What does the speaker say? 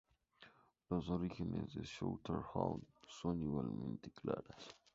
Los orígenes de la Southern Hound son igualmente claras.